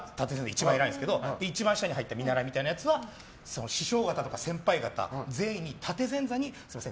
一番偉いんですけど一番下の見習いみたいなやつはその師匠方や先輩方全員に立前座をすみません